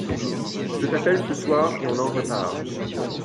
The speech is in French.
Je t'appelle ce soir et on en reparle.